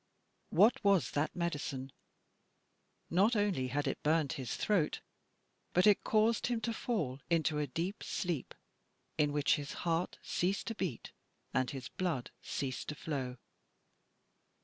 What was that medicine? Not only had it burned his throat, but it caused him to fall into a deep sleep, in which his heart ceased to beat and his blood ceased to flow.